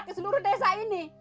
ke seluruh desa ini